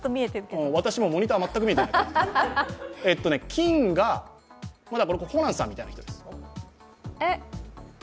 金が、これはホランさんみたいな人です。